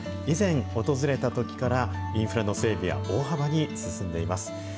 以前、訪れたときから、インフラの整備は大幅に進んでいます。